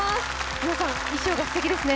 皆さん衣装がすてきですね。